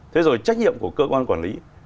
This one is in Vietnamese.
thế rồi trách nhiệm của cơ quan quản lý